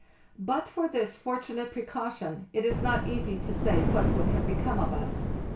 But for this fortunate precaution it is not easy to say what would have become of us.